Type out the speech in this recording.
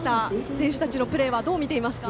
選手たちのプレーはどう見ていますか？